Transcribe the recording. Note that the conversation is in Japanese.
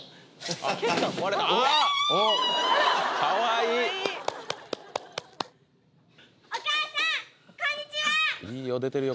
いいよ出てるよ